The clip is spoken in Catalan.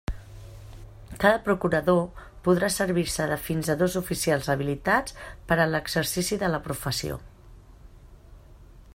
Cada procurador podrà servir-se de fins a dos oficials habilitats per a l'exercici de la professió.